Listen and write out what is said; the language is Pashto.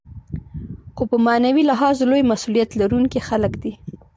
خو په معنوي لحاظ لوی مسوولیت لرونکي خلک دي.